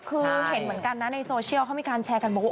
คือเห็นเหมือนกันนะในโซเชียลเขามีการแชร์กันบอกว่า